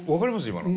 今の。